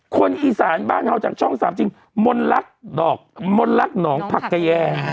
คนอีสานบ้านเฮาจากช่องสามจริงมนรักหนองผักแกย่